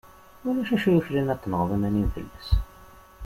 Ulac acu yuklalen ad tenɣeḍ iman-im fell-as.